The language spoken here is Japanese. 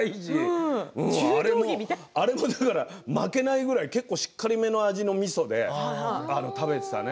あれも負けないぐらいしっかりめのみそで食べていたね。